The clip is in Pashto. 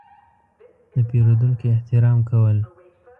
– د پېرودونکو احترام کول.